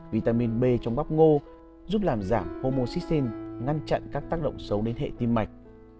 vitamin b trong bắp ngô giúp làm giảm homocytin ngăn chặn các tác động xấu đến hệ tim mạch